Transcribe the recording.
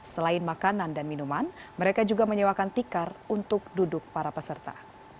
selain makanan dan minuman mereka juga menyewakan tikar untuk duduk para peserta